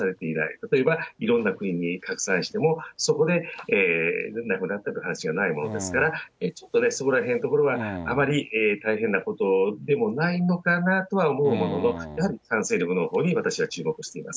例えばいろんな国に拡散しても、そこでなくなったという話がないものですから、ちょっとね、そこらへんのところはあまり大変なことでもないのかなとは思うものの、やはり、感染力のほうに私は注目しています。